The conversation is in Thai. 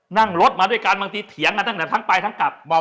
นั่งรถมาด้วยกานมังตัวเถียงอ่ะหลังจากทั้งไปทั้งกลับ